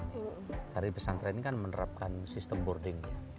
karena di pesantren ini kan menerapkan sistem boarding